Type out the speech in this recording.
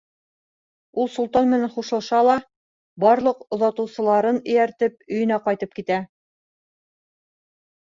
Ул солтан менән хушлаша ла, барлыҡ оҙатыусыларын эйәртеп, өйөнә ҡайтып китә.